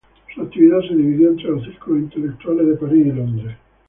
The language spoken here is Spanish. Su actividad se dividió entre los círculos intelectuales de París y Londres.